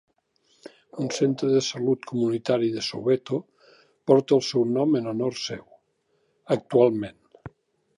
Un centre de salut comunitari de Soweto porta el seu nom en honor seu, actualment.